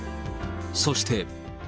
そして。